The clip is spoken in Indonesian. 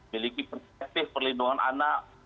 miliki perspektif perlindungan anak